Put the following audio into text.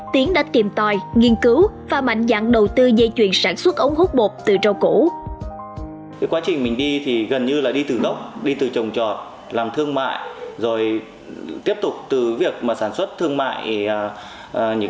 tiến đã tìm tòi nghiên cứu và mạnh dạng đầu tư dây chuyền sản xuất ống hút bột từ rau cũ